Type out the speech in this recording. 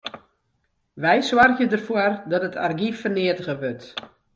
Wy soargje derfoar dat it argyf ferneatige wurdt.